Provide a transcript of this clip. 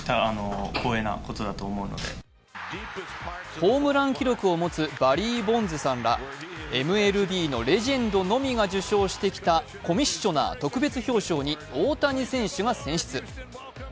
ホームラン記録を持つバリー・ボンズさんらＭＬＢのレジェンドのみが受賞してきたコミッショナー特別表彰に大谷選手が選出。